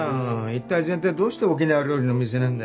一体全体どうして沖縄料理の店なんだよ？